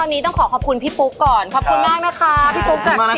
ตอนนี้ต้องขอขอบคุณพี่ปุ๊กก่อนขอบคุณมากนะคะพี่ปุ๊กจ้ะ